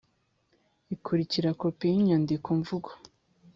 ikurikira Kopi y inyandikomvugo